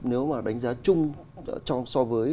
nếu mà đánh giá chung so với